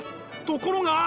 ところが！